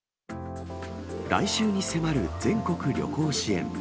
来週に迫る全国旅行支援。